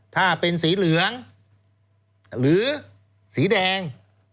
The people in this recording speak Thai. ถ้าเป็นสีเหลืองหรือสีแดง